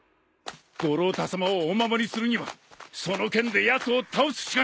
五郎太さまをお守りするにはその剣でやつを倒すしかない。